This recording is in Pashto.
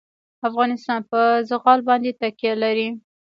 افغانستان په زغال باندې تکیه لري.